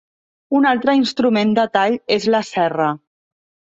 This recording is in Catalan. Un altre instrument de tall és la serra.